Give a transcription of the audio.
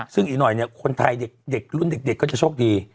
ซึ่งอีกหน่อยคนไทยรุนเด็กก็จะโชคดี